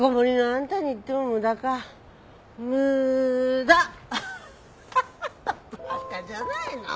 馬鹿じゃないの。